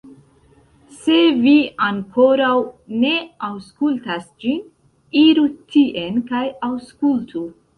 Se vi ankoraŭ ne aŭskultas ĝin, iru tien kaj aŭskultu!